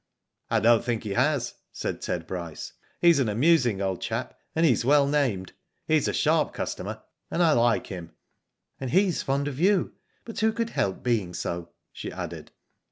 '* I don't think he has," said Ted Bryce. '* He's an amusing old chap, and he's well named. He's a sharp customer and I like him." *' And he's fond of you ; but who could help being so," she added.